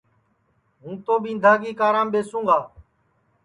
ہوں تو ٻِندھا کی کارام ٻیسوں گا